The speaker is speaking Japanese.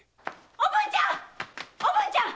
おぶんちゃん！